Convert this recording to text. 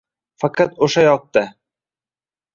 Faqat o’sha yoqda –